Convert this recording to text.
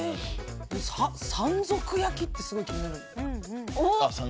山賊焼きってすごく気になる。